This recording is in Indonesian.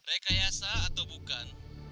rekayasa atau bukan